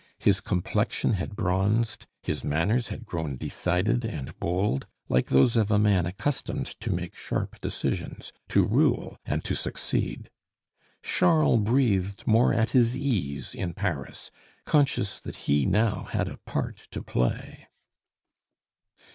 His complexion had bronzed, his manners had grown decided and bold, like those of a man accustomed to make sharp decisions, to rule, and to succeed. Charles breathed more at his ease in Paris, conscious that he now had a part to play.